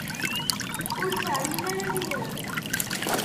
Ur teɛyim ara di lhemm?